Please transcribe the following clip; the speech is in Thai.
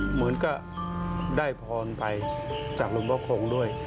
เหมือนก็ได้พรไปจากหลวงพ่อคงด้วย